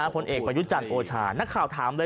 ผลเอกประยุจันทร์โอชานักข่าวถามเลย